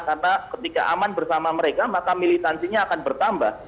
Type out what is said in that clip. karena ketika aman bersama mereka maka militansinya akan bertambah